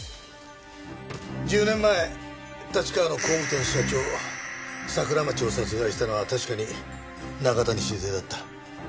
１０年前立川の工務店社長桜町を殺害したのは確かに中谷静江だった。